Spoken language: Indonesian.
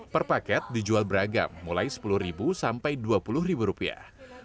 per paket dijual beragam mulai sepuluh sampai dua puluh rupiah